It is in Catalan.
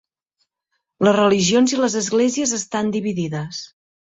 Les religions i les esglésies estan dividides.